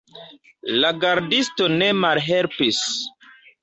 La gardisto ne malhelpis.